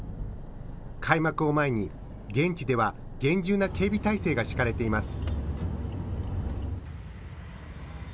開幕を前に、現地では厳重な警備態勢が敷かれています。